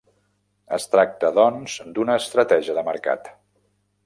Es tracta, doncs, d'una estratègia de mercat.